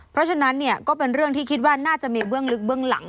เพราะฉะนั้นเนี่ยก็เป็นเรื่องที่คิดว่าน่าจะมีเบื้องลึกเบื้องหลัง